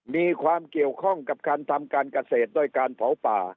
มีความเกี่ยวข้องกับการทำการเกษตรด้วยการเผาป่า